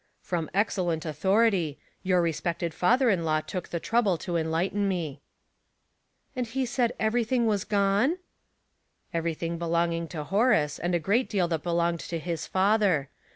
" From excellent authority ; your respected father in law took the trouble to enlighten me.'* " And he said everything whs gone ?"" Everything belonging to Horace, and a great deal that belonged to his father.